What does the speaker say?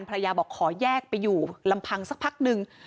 ภรรยาบอกขอแยกไปอยู่ลำพังสักพักนึง